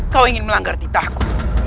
kau ingin melanggar titahku